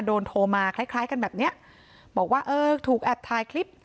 โทรมาคล้ายคล้ายกันแบบเนี้ยบอกว่าเออถูกแอบถ่ายคลิป